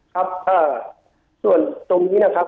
ครับส่วนตรงนี้นะครับ